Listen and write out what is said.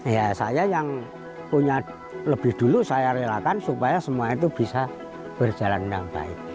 ya saya yang punya lebih dulu saya relakan supaya semua itu bisa berjalan dengan baik